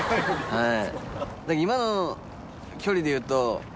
はい。